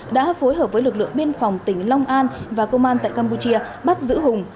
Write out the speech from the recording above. đã phối hợp với lực lượng biên phòng tỉnh long an và công an tại campuchia bắt giữ hùng